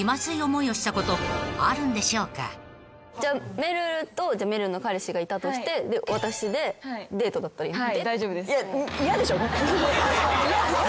めるるとめるるの彼氏がいたとしてで私でデートだったらいい？